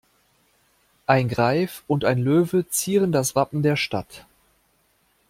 Ein Greif und ein Löwe zieren das Wappen der Stadt.